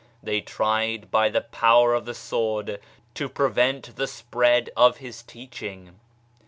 They tried by the power of the sword to prevent the spread of his teaching.